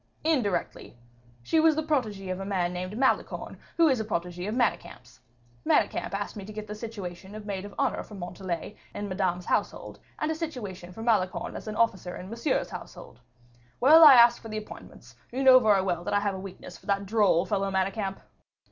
"Indirectly. She was the protegee of a man named Malicorne, who is a protegee of Manicamp's; Manicamp asked me to get the situation of maid of honor for Montalais in Madame's household, and a situation for Malicorne as an officer in Monsieur's household. Well, I asked for the appointments, for you know very well that I have a weakness for that droll fellow Manicamp."